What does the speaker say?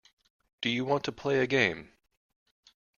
Do you want to play a game?